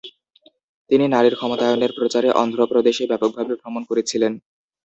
তিনি নারীর ক্ষমতায়নের প্রচারে অন্ধ্র প্রদেশে ব্যাপকভাবে ভ্রমণ করেছিলেন।